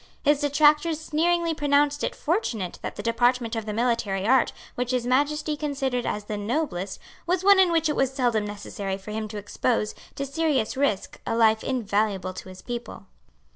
His detractors sneeringly pronounced it fortunate that the department of the military art which His Majesty considered as the noblest was one in which it was seldom necessary for him to expose to serious risk a life invaluable to his people.